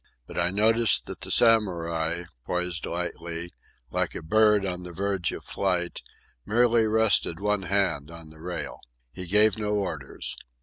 But I noticed that the Samurai, poised lightly, like a bird on the verge of flight, merely rested one hand on the rail. He gave no orders.